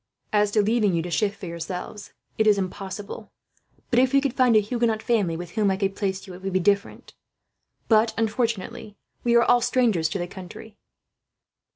As to leaving you to shift for yourselves, it is impossible; but if we could find a Huguenot family with whom I could place you, it would be different. But unfortunately, we are all strangers to the country."